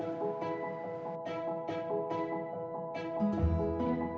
ya kita ke sekolah